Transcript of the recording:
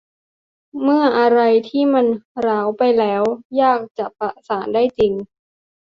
เหมือนอะไรที่มันร้าวไปแล้วยากจะประสานได้จริง